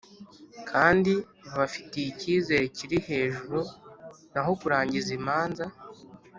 Kandi babafitiye icyizere kiri hejuru naho kurangiza imanza